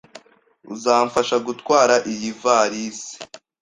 Uzamfasha gutwara iyi ivalisi?